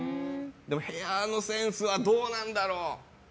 部屋のセンスはどうなんだろう。